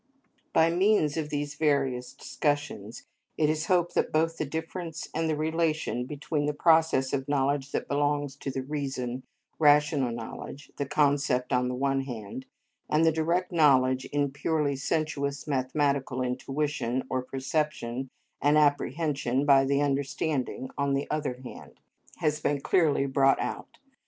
By means of these various discussions it is hoped that both the difference and the relation between the process of knowledge that belongs to the reason, rational knowledge, the concept on the one hand, and the direct knowledge in purely sensuous, mathematical intuition or perception, and apprehension by the understanding on the other hand, has been clearly brought out.